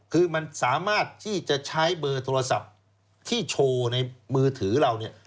คือมันสามารถที่จะใช้เบอร์โทรศัพท์ที่โชว์ในมือถือเราเนี่ย